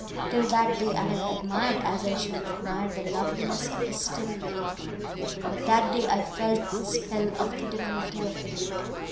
Till that day I had admired as I should admire the loveliness of a still lake; but that day I felt the spell of the divinity of the lake.